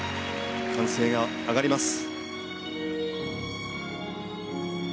歓声が上がります。